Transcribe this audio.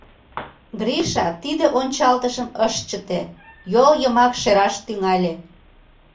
Гриша тиде ончалтышым ыш чыте, йол йымак шераш тӱҥале.